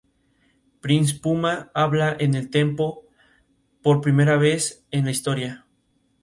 Prince Puma habla en el templo por primera vez en la historia.